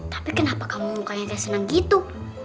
tapi kenapa kamu mukanya gak senang gitu